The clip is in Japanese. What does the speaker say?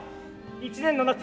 １年の夏